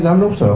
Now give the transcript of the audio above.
đấy là cái